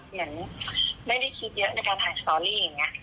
เหมือนไม่ได้คิดเยอะในการถ่ายสตอรี่อย่างนี้